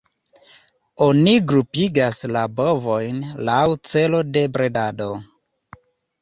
Oni grupigas la bovojn laŭ celo de bredado.